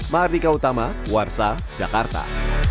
mardika utama warsa jakarta